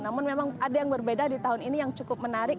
namun memang ada yang berbeda di tahun ini yang cukup menarik